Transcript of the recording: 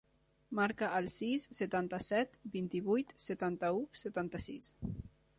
Marca el sis, setanta-set, vint-i-vuit, setanta-u, setanta-sis.